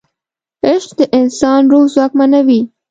عشق د انسان روح ځواکمنوي.